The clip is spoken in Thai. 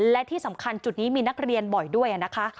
และที่สำคัญจุดนี้มีนักเรียนบ่อยด้วยนะคะ